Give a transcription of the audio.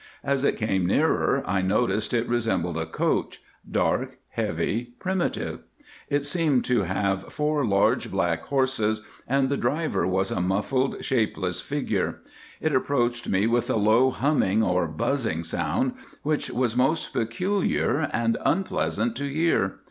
As it came nearer I noticed it resembled a coach, dark, heavy, primitive; it seemed to have four large black horses, and the driver was a muffled, shapeless figure. It approached with a low humming or buzzing sound, which was most peculiar and unpleasant to hear.